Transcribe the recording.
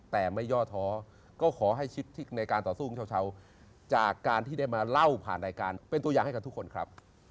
แต่ไม่ย่อท้อก็ขอให้ชิดในการต่อสู้ของชาวจากการที่ได้มาเล่าผ่านรายการเป็นตัวอย่างให้กับทุกคนครับ